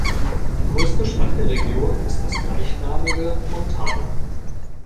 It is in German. Die größte Stadt der Region ist das gleichnamige Montana.